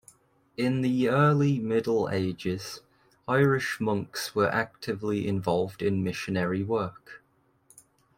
In the early Middle Ages, Irish monks were actively involved in missionary work.